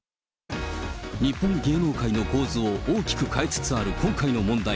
日本芸能界の構造を大きく変えつつある今回の問題。